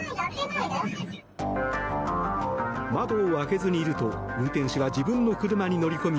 窓を開けずにいると運転手は自分の車に乗り込み